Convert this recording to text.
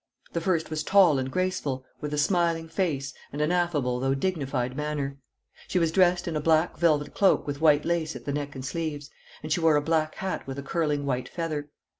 The first was tall and graceful, with a smiling face, and an affable though dignified manner. She was dressed in a black velvet cloak with white lace at the neck and sleeves, and she wore a black hat with a curling white feather.